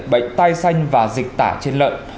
bệnh tai xanh và dịch tả trên lợn